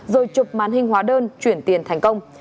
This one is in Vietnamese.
rồi chụp màn hình hóa đơn chuyển tiền thành công